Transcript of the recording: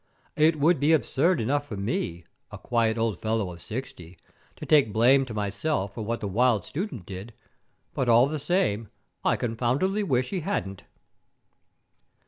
It would be absurd enough for me, a quiet old fellow of sixty, to take blame to myself for what the wild student did, but, all the same, I confoundedly wish he hadn't.